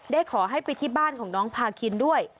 ขอให้ไปที่บ้านของน้องพาคินด้วย